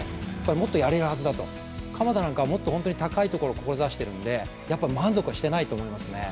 もっとやれるはずだと鎌田なんかはもっと高いところを志しているんで満足はしていないと思いますんで。